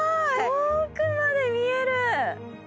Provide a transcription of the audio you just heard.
遠くまで見える！